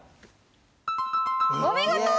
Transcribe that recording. お見事！